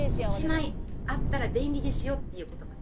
「“１枚あったら便利ですよ”っていう言葉ね」